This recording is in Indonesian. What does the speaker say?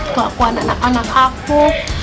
kelakuan anak anak aku